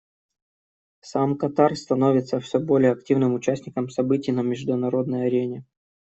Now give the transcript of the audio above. Сам Катар становится все более активным участником событий на международной арене.